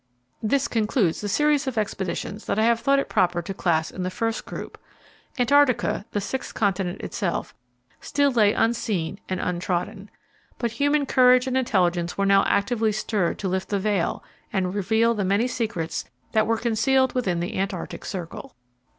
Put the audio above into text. This concludes the series of expeditions that I have thought it proper to class in the first group. "Antarctica," the sixth continent itself, still lay unseen and untrodden. But human courage and intelligence were now actively stirred to lift the veil and reveal the many secrets that were concealed within the Antarctic Circle.